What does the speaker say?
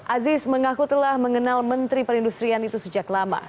aziz mengaku telah mengenal menteri perindustrian itu sejak lama